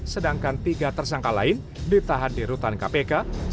sedangkan tiga tersangka lain ditahan di rutan kpk